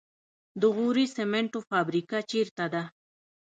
د غوري سمنټو فابریکه چیرته ده؟